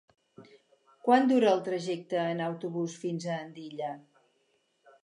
Quant dura el trajecte en autobús fins a Andilla?